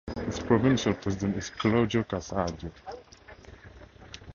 Its provincial president is Claudio Casadio.